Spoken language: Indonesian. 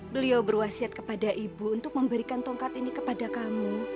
beliau berwasiat kepada ibu untuk memberikan tongkat ini kepada kamu